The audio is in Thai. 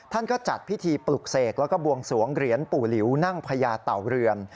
ท่านก็จัดพิธีปลุกเสกแล้วก็บวงสวงเหรียญปู่หลิวนั่งพญาเต่าเรือน